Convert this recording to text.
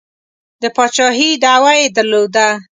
د پاچهي دعوه یې درلوده.